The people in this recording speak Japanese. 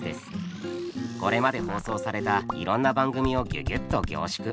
これまで放送されたいろんな番組をギュギュッと凝縮。